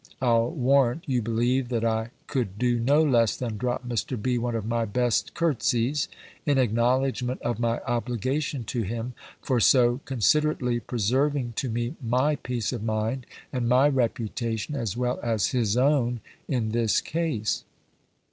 I'll warrant, you believe, that I could do no less than drop Mr. B. one of my best curt'sies, in acknowledgment of my obligation to him, for so considerately preserving to me my peace of mind, and my reputation, as well as his own, in this case.